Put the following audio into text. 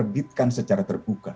mereka terbitkan secara terbuka